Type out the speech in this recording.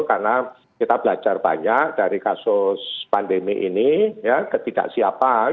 karena kita belajar banyak dari kasus pandemi ini ya ketidaksiapan